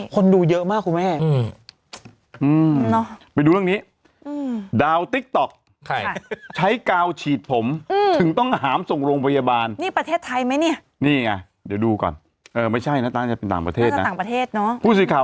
ก่อนเออไม่ใช่น่ะต้องการเป็นต่างประเทศเนี๊ยะแต่ต่างประเทศเนอะภูสิข่าว